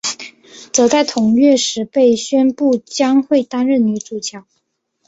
则在同月时被宣布将会担任女主角。